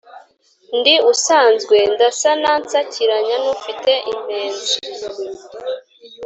Ndi usanzwe ndasana nsakiranya, n’ufite impenzi,